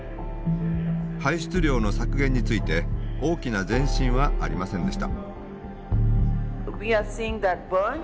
排出量の削減について大きな前進はありませんでした。